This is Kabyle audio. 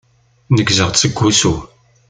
Neggzeɣ-d seg wusu.